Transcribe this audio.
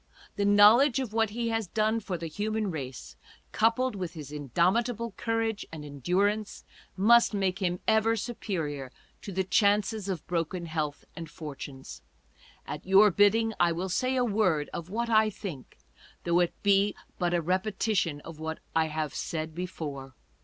The knowledge of what he has done for the human race, coupled with his indomitable courage and endurance, must make him ever superior to the chances of broken health and fortunes. ... At your bidding, I will say a word of what I think, though it be but a repetition of what I have 'said before.